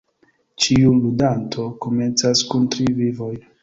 Ĉiu ludanto komencas kun tri vivoj.